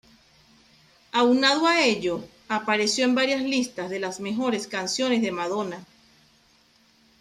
Aunado a ello, apareció en varias listas de las mejores canciones de Madonna.